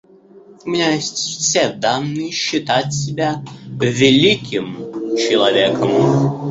У меня есть все данные считать себя великим человеком.